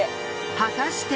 果たして！？